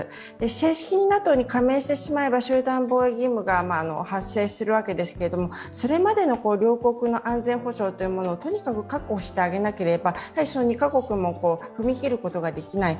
正式にＮＡＴＯに加盟してしまえば集団防衛義務が発生するわけですけれども、それまでの両国の安全保障をとにかく確保してあげなければ、２カ国も踏み切ることができない。